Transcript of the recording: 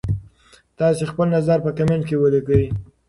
تاسي خپل نظر په کمنټ کي ولیکئ.